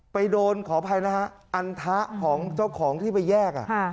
ไปโดนขอภัยอัณฑษะของเจ้าของที่ไปแยก